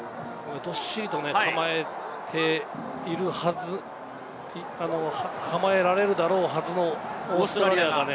どっしりと構えているはず、構えられるだろうはずのオーストラリアが。